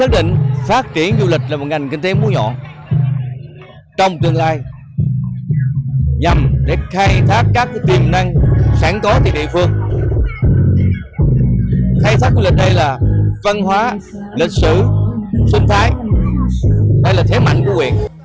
đây là văn hóa lịch sử sinh thái đây là thế mạnh của huyện